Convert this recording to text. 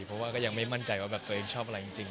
เพราะว่าไม่มั่นใจว่าตัวเองชอบอะไรจริง